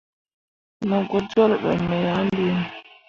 Mo gbo jolle be me ah liini.